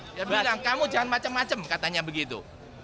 dia bilang kamu jangan macem macem katanya begitu